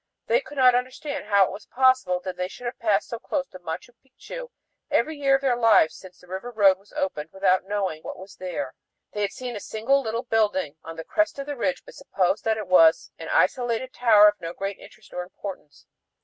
They could not understand how it was possible that they should have passed so close to Machu Picchu every year of their lives since the river road was opened without knowing what was there. They had seen a single little building on the crest of the ridge, but supposed that it was an isolated tower of no great interest or importance.